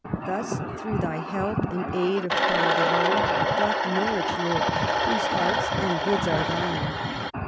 Thus through thy help, and aid of power divine. Doth Norwich live, whose hearts and goods are thine.